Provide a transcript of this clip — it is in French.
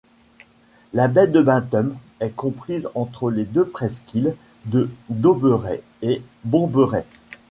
La baie de Bintum est comprise entre les deux presqu'îles de Doberai et Bomberai.